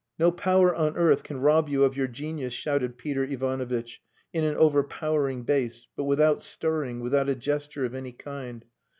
"No power on earth can rob you of your genius," shouted Peter Ivanovitch in an overpowering bass, but without stirring, without a gesture of any kind.